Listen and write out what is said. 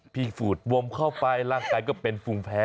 พี่ฝุ่นวมเข้าไปล่างกายก็เป็นฟุ้งแพ้